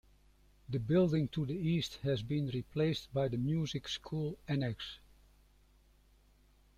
The building to the East has been replaced by the music school annex.